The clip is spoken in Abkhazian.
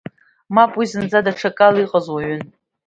Мап, уи зынӡа даҽакала иҟаз уаҩын.